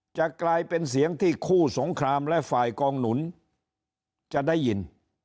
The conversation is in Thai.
จะกลายเป็นเสียงที่คู่สงครามและฝ่ายกองหนุนจะได้ยิน